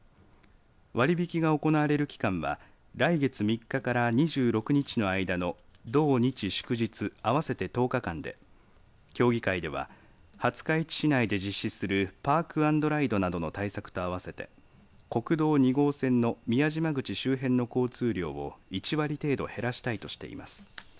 割引が行われる期間は来月３日から２６日の間の土、日、祝日合わせて１０日間で協議会では廿日市市内で実施するパークアンドライドなどの対策と合わせて国道２号線の宮島口周辺の交通量を１割程度減らしたいとしています。